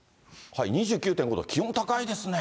２９．５度、気温高いですね。